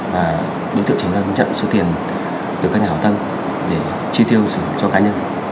và đối tượng trần nguyên lâm nhận số tiền từ các nhà hào tâm để chi tiêu cho cá nhân